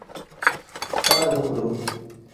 کار وکړو.